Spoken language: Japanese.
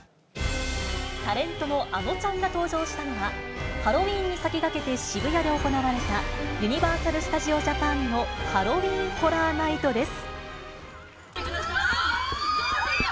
タレントのあのちゃんが登場したのは、ハロウィーンに先駆けて渋谷で行われた、ユニバーサル・スタジオ・ジャパンのハロウィーン・ホラー・ナイトです。